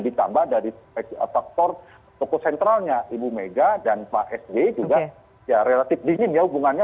ditambah dari faktor toko sentralnya ibu mega dan pak sby juga ya relatif dingin ya hubungannya